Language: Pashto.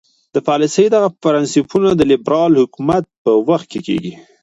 د پالیسۍ دغه پرنسیپونه د لیبرال حکومت په وخت کې.